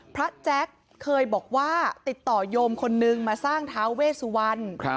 แจ๊คเคยบอกว่าติดต่อโยมคนนึงมาสร้างท้าเวสุวรรณ